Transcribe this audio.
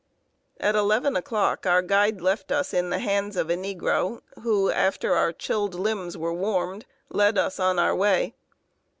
At eleven o'clock our guide left us in the hands of a negro, who, after our chilled limbs were warmed, led us on our way.